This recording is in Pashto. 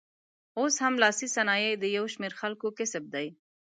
اوس هم لاسي صنایع د یو شمېر خلکو کسب دی.